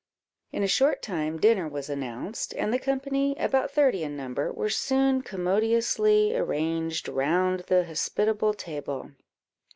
In a short time dinner was announced, and the company, about thirty in number, were soon commodiously arranged round the hospitable table.